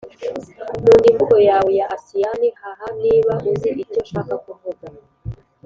nkunda imvugo yawe ya asiyani, haha niba uzi icyo nshaka kuvuga.